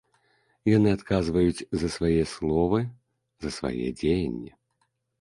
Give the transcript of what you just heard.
Яны адказваюць за свае словы, за свае дзеянні.